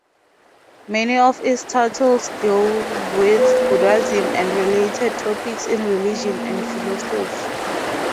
Many of its titles deal with Buddhism and related topics in religion and philosophy.